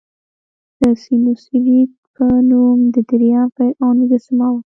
د سینوسریت په نوم د دریم فرعون مجسمه وه.